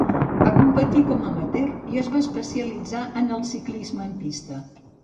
Va competir com amateur i es va especialitzar en el ciclisme en pista.